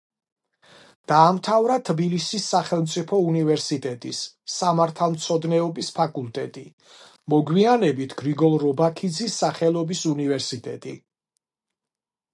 დაამთავრა თბილისის სახელმწიფო უნივერსიტეტის სამართალმცოდნეობის ფაკულტეტი, მოგვიანებით გრიგოლ რობაქიძის სახელობის უნივერსიტეტი.